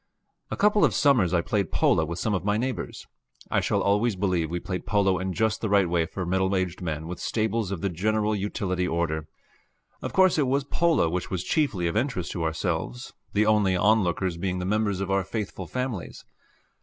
A couple of summers I played polo with some of my neighbors. I shall always believe we played polo in just the right way for middle aged men with stables of the general utility order. Of course it was polo which was chiefly of interest to ourselves, the only onlookers being the members of our faithful families.